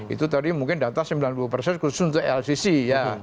itu tadi mungkin data sembilan puluh persen khusus untuk lcc ya